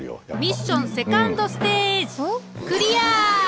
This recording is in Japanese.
ミッションセカンドステージおっクリア！